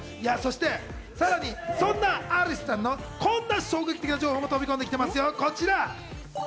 さらに、そんなアリスさんのこんな衝撃的な情報も飛び込んできていますよ、こちら。